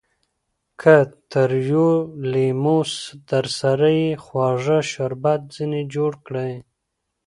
که تريو لېمو درسره يي؛ خواږه شربت ځني جوړ کړئ!